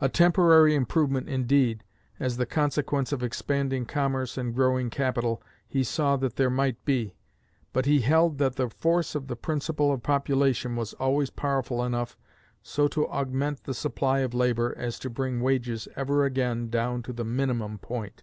A temporary improvement indeed, as the consequence of expanding commerce and growing capital, he saw that there might be; but he held that the force of the principle of population was always powerful enough so to augment the supply of labor as to bring wages ever again down to the minimum point.